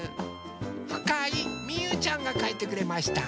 ふかいみゆちゃんがかいてくれました。